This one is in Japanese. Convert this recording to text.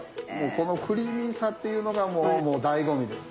このクリーミーさっていうのがもう醍醐味です。